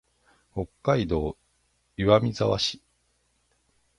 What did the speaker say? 北海道岩見沢市